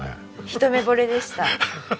一目ぼれでした。